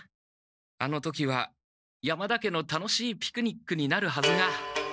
あの時は山田家の楽しいピクニックになるはずが。